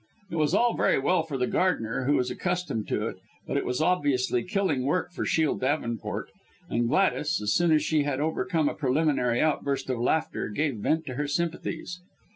It was all very well for the gardener who was accustomed to it, but it was obviously killing work for Shiel Davenport, and Gladys as soon as she had overcome a preliminary outburst of laughter gave vent to her sympathies.